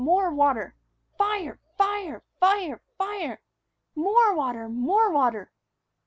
More water! Fire! Fire! Fire! Fire! More water! More water!"